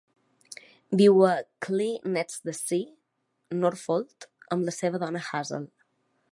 Viu a Cley-next-the-Sea, Norfolk, amb la seva dona Hazel.